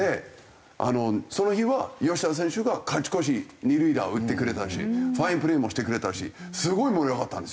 その日は吉田選手が勝ち越し二塁打を打ってくれたしファインプレーもしてくれたしすごい盛り上がったんですよ。